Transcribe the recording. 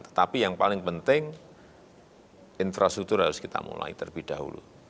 tetapi yang paling penting infrastruktur harus kita mulai terlebih dahulu